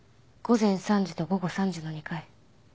午前３時と午後３時の２回。